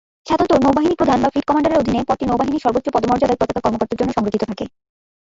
সাধারণত নৌবাহিনী প্রধান বা ফ্লিট কমান্ডারের অধীনে, পদটি নৌবাহিনীর সর্বোচ্চ-পদমর্যাদার পতাকা কর্মকর্তার জন্য সংরক্ষিত থাকে।